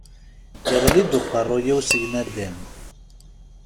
Iɣli-d uqerru-w si naddam.